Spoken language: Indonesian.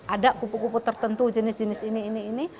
ada kupu kupu tertentu jenis jenis ini ini ini